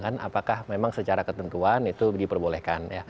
apakah memang secara ketentuan itu diperbolehkan